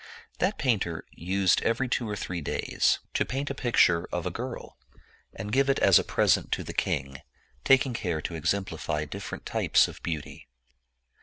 That painter used every two or three days to paint a picture of a girl, and give it as a present to the king, taking care to exemplify different types of beauty.